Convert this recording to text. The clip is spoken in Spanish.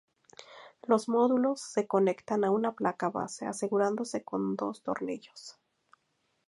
Los módulos se conectan a una placa base, asegurándose con dos tornillos.